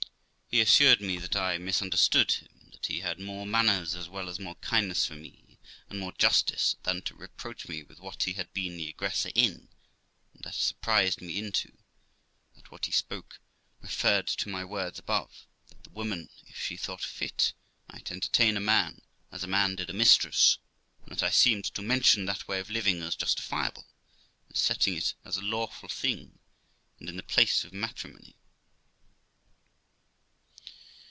He assured me that I misunderstood him; that he had more manners as well as more kindness for me, and more justice than to reproach me with what he had been the aggressor in, and had surprised me into ; that what he spoke referred to my words above, that the woman, if she thought fit, might entertain a man, as a man did a mistress; and that I seemed to mention that way of living as justifiable, and setting it as a lawful thing, and in the place of matrimony.